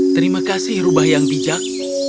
terima kasih rubah yang bijak